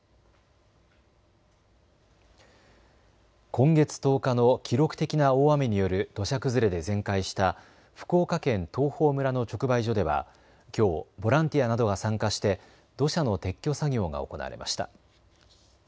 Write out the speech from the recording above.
今月１０日の記録的な大雨による土砂崩れで全壊した福岡県東峰村の直売所ではきょうボランティアなどが参加して土砂の撤去作業が行われました。